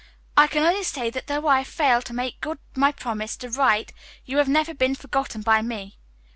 I can only say that though I have failed to make good my promise to write, you have never been forgotten by me.